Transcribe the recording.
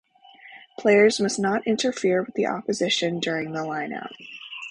Players must not interfere with the opposition during the line-out.